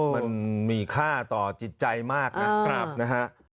มันมีค่าต่อจิตใจมากนะนะฮะ